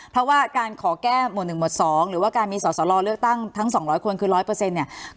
เพราะว่าการขอแก้หมวดหนึ่งหมวดสองหรือว่าการมีสอดสอดรอเลือกตั้งทั้งสองร้อยคนคือร้อยเปอร์เซ็นต์เนี่ย